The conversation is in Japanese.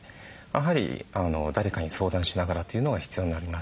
やはり誰かに相談しながらというのが必要になりますので。